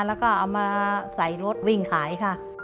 แล้วก็เอามาใส่รถวิ่งขายค่ะ